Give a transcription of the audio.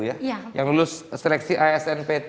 iya yang lulus seleksi asnp tiga k